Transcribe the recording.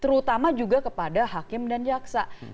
terutama juga kepada hakim dan jaksa